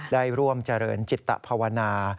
ได้ร่วมเจริญจิตภาวนา